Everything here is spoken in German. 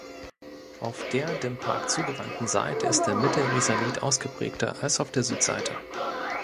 Auf der dem Park zugewandten Seite ist der Mittelrisalit ausgeprägter als auf der Südseite.